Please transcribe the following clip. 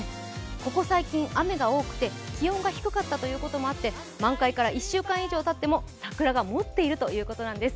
ここ最近、雨が多くて気温が低かったということもあって満開から１週間以上たっても、桜が持っているということなんです。